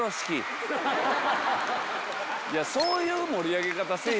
そういう盛り上げ方せぇ！